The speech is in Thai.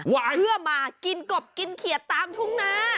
เพื่อมากินกบกินเขียดตามทุ่งนา